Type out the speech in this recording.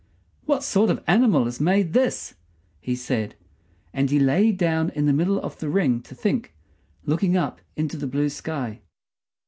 "What sort of animal has made this?" he said. And he lay down in the middle of the ring to think, looking up into the blue sky.